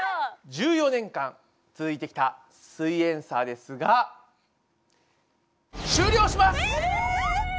１４年間続いてきた「すイエんサー」ですがえっ！